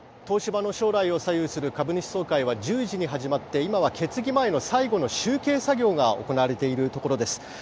東芝の将来を左右する株主総会は１０時に始まって今は決議前の最後の集計作業が行われているところです。